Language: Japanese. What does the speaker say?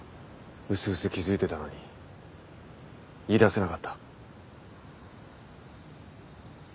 うすうす気付いてたのに言いだせなかった。